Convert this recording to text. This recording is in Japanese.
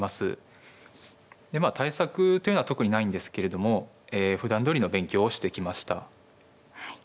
でまあ対策というのは特にないんですけれどもふだんどおりの勉強をしてきました。